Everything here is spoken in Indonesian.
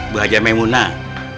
bu wajah maimunah